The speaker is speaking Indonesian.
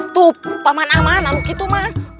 tuh paman aman maluk itu mah